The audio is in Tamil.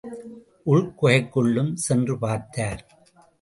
உள் குகைக்குள்ளும் சென்று பார்த்தார்.